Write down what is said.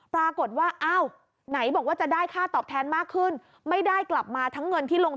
ปรากฏว่าอ้าวไหนบอกว่าจะได้ค่าตอบแทนมากขึ้น